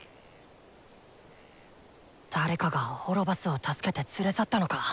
誰かがオロバスを助けて連れ去ったのか。